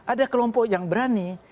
ada kelompok yang berani